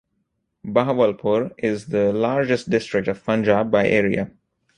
Bahawalpur is the largest district of Punjab by area.